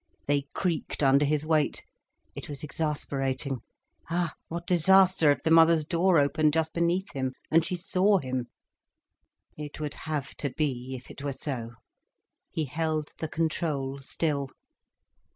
They creaked under his weight—it was exasperating. Ah what disaster, if the mother's door opened just beneath him, and she saw him! It would have to be, if it were so. He held the control still.